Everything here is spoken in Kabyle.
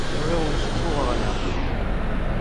Ur awen-ssuffuɣeɣ leɛqel.